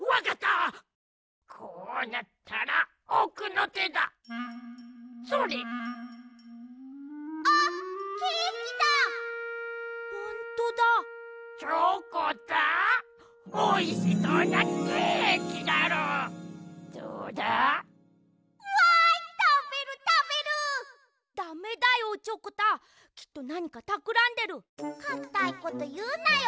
かたいこというなよ。